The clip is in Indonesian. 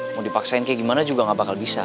mau dipaksain kayak gimana juga gak bakal bisa